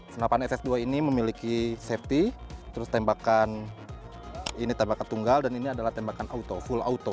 senapan ss dua ini memiliki safety terus tembakan ini tembakan tunggal dan ini adalah tembakan full auto